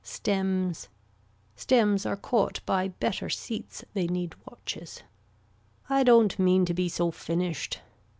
Stems. Stems are caught by better seats they need watches. I don't mean to be so finished.